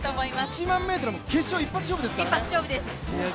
１００００ｍも決勝一発勝負ですからね。